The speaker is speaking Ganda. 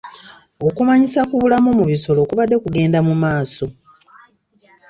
Okumanyisa ku bulamu mu bisolo kubadde kugenda mu maaso.